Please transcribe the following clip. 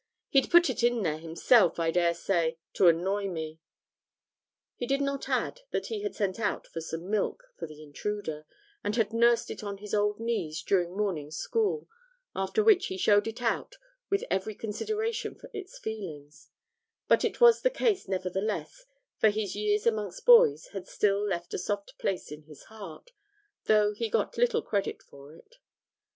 He'd put it in there himself, I dare say, to annoy me.' He did not add that he had sent out for some milk for the intruder, and had nursed it on his old knees during morning school, after which he showed it out with every consideration for its feelings; but it was the case nevertheless, for his years amongst boys had still left a soft place in his heart, though he got little credit for it.